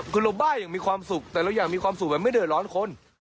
คือเราบ้าอย่างมีความสุขแต่เราอยากมีความสุขแบบไม่เดือดร้อนคน